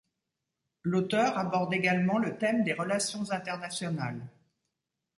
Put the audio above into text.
L'auteur aborde également le thème des relations internationales.